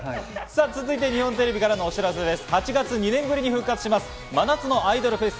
日本テレビからのお知らせです。